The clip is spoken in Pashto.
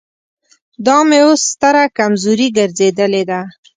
دا مې اوس ستره کمزوري ګرځېدلې ده.